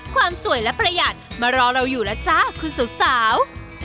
ความสวยและประหยัดมารอเราอยู่แล้วจ้าคุณสาว